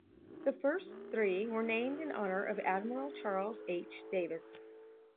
The first three were named in honor of Admiral Charles H. Davis.